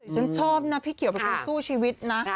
ฉันชอบนะพี่เขียวเป็นคนสู้ชีวิตนะ